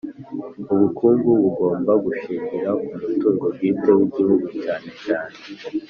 Ubukungu bugomba gushingira ku mutungo bwite w Igihugu cyane cyane